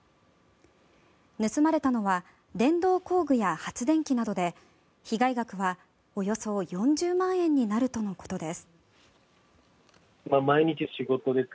盗まれたのは電動工具や発電機などで被害額は、およそ４０万円になるとのことです。